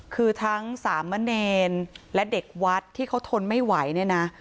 คือทั้งสามเณรและเด็กวัดที่เขาทนไม่ไหวเนี่ยนะ